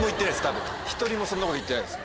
１人もそんなこと言ってないです。